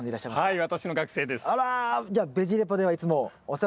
はい。